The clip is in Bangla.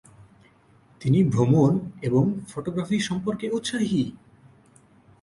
তিনি ভ্রমণ এবং ফটোগ্রাফি সম্পর্কে উৎসাহী।